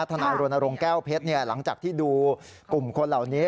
ทนายรณรงค์แก้วเพชรหลังจากที่ดูกลุ่มคนเหล่านี้